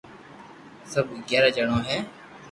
سب اگياري جڻو ھي